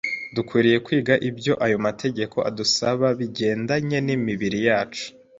Dukwiriye kwiga ibyo ayo mategeko adusaba bigendanye n’imibiri yacu